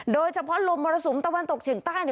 โดยเฉพาะลมมรสุมตะวันตกเฉียงใต้